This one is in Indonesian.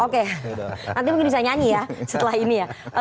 oke nanti mungkin bisa nyanyi ya setelah ini ya